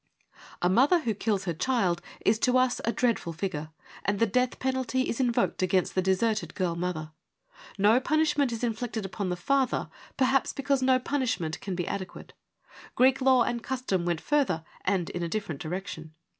A mother who kills her child is to us a dreadful figure, and the death penalty is invoked against the deserted girl mother : no punishment is inflicted upon the father, perhaps because no punishment can be adequate. Greek law and custom went further and in a different direction.